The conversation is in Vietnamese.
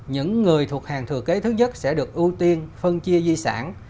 những người thuộc hàng thừa kế thứ nhất sẽ được ưu tiên phân chia di sản